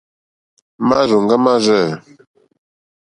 Márzòŋɡá mâ rzɛ̂.